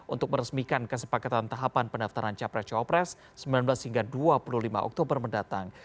untuk meresmikan kesepakatan tahapan pendaftaran capres cawapres sembilan belas hingga dua puluh lima oktober mendatang